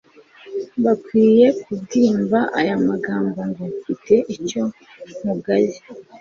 Bakwiye kubwimva aya amagambo; ngo : "Mfite icyo nkugaya,